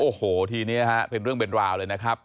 โอ้โหทีนี้ฮะเป็นเรื่องเป็นราวเลยนะครับ